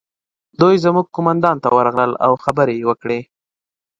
دوی زموږ قومندان ته ورغلل او خبرې یې وکړې